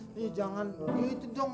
nih jangan gitu dong